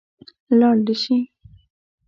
لاړ دې شي.